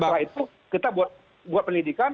setelah itu kita buat pendidikan